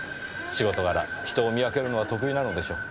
仕事柄人を見分けるのは得意なのでしょう。